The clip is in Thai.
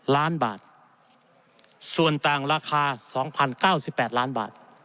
ล้านบาทส่วนต่างราคาสองพันเก้าสิบแปดล้านบาท